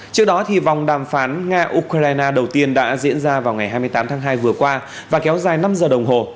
trước đó vòng đàm phán nga ukraine đầu tiên đã diễn ra vào ngày hai mươi tám tháng hai vừa qua và kéo dài năm giờ đồng hồ